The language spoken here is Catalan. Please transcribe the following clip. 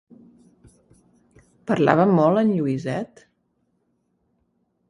Parlava molt en Lluiset?